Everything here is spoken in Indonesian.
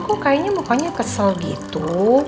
oh kayaknya mukanya kesel gitu